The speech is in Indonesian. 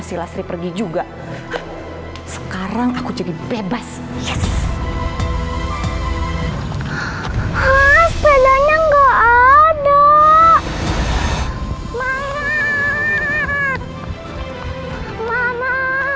silasri pergi juga sekarang aku jadi bebas yes sebenarnya enggak ada mama